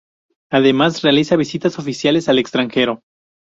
Además, realiza visitas oficiales al extranjero.